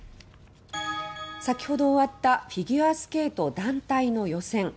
さきほど終わったフィギュアスケート団体の予選。